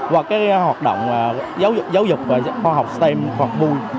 và hoạt động giáo dục và khoa học stem hoạt vui